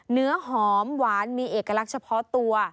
เนื้อหอมหวานมีเอกลักษณ์เฉพาะตัว